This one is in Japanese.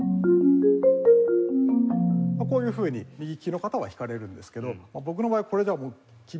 こういうふうに右ききの方は弾かれるんですけど僕の場合これでは厳しくて。